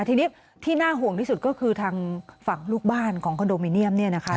ทีนี้ที่หน้าห่วงที่สุดก็คือว่าฝั่งลูกบ้านของคาร์โดมิเนียมนะคะ